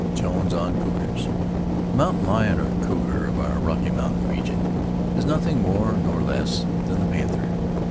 JONES ON COUGARS The mountain lion, or cougar, of our Rocky Mountain region, is nothing more nor less than the panther.